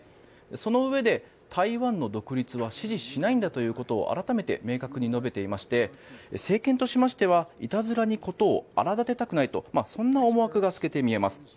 そのうえで、台湾の独立は支持しないんだと改めて明確に述べていまして政権としましてはいたずらに事を荒立てたくないとそんな思惑が透けて見えます。